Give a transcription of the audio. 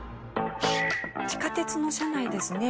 地下鉄の車内ですね。